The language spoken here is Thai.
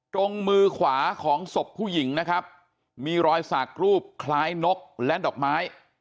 ตรงมือขวาของศพผู้หญิงนะครับมีรอยสักรูปคล้ายนกและดอกไม้